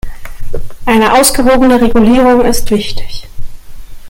Eine ausgewogene Regulierung ist wichtig.